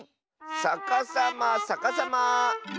さかさまさかさま。